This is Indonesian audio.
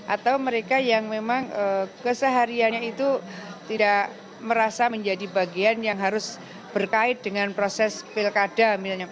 atau mereka yang memang kesehariannya itu tidak merasa menjadi bagian yang harus berkait dengan proses pilkada misalnya